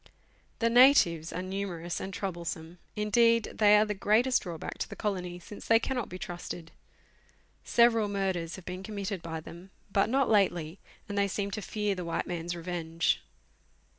The natives are numerous and troublesome ; indeed, they are the greatest drawback to the colony, since they cannot be trusted. Several murders ha\ r e been committed by them, but not lately, and they seem to fear the white man's revenge.